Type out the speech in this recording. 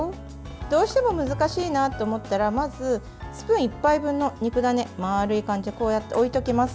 どうしても難しいなと思ったらスプーン１杯分の肉ダネを丸い感じで置いておきます。